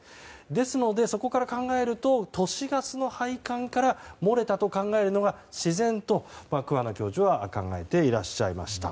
ですので、そこから考えると都市ガスの配管から漏れたと考えるのが自然と桑名教授は考えていらっしゃいました。